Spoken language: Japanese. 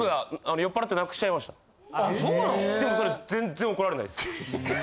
でもそれ全然怒られないです。